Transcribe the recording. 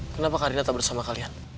kenapa karina tak bersama kalian